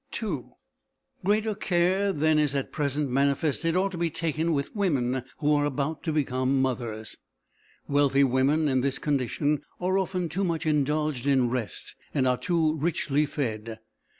II Greater care than is at present manifested ought to be taken with women who are about to become mothers. Wealthy women in this condition are often too much indulged in rest and are too richly fed.